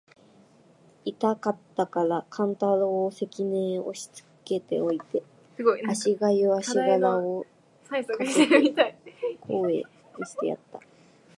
痛かつたから勘太郎を垣根へ押しつけて置いて、足搦あしがらをかけて向へ斃してやつた。